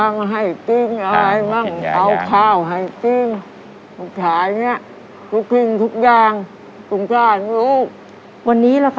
วันนี้แล้วครับอยากให้พ่อ